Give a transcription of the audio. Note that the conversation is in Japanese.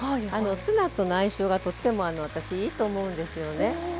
ツナとの相性がとっても私、いいと思うんですよね。